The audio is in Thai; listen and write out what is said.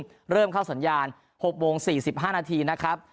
และก็เริ่มเข้าสัญญาณ๖๔๕นครับ